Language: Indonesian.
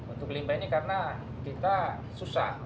untuk limbah ini karena kita susah